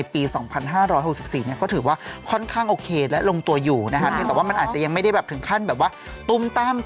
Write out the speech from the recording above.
พี่แจ๊กก็คือยังอ้วนดีเหมือนเดิม